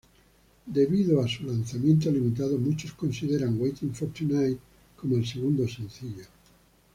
Debido a su lanzamiento limitado, muchos consideran "Waiting for Tonight" como el segundo sencillo.